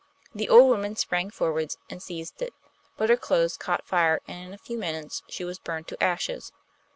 The old woman sprang forwards and seized it, but her clothes caught fire, and in a few minutes she was burned to ashes.